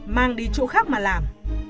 mang đi chỗ khác mà làm